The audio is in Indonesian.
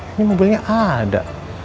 ini mobilnya ada